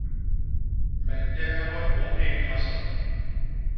Me ntehe we u nhéñ masoñ.